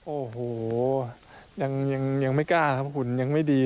โอ้โหยังไม่กล้าครับหุ่นยังไม่ดี